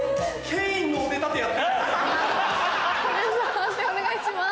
判定お願いします。